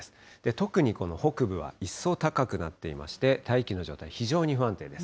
特にこの北部は一層高くなっていまして、大気の状態、非常に不安定です。